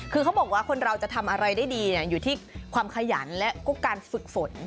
คือเขาบอกว่าคนเราจะทำอะไรได้ดีอยู่ที่ความขยันและก็การฝึกฝน